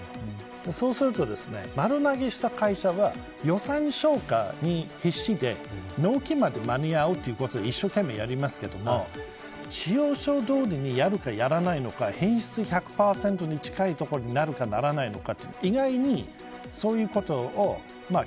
そうすると丸投げした会社は予算消化に必死で納期まで間に合うように一生懸命やりますが仕様書どおりにやるのかやらないのか、品質１００％に近いところになるのかならないのか。